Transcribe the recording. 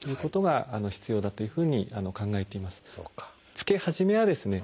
着け始めはですね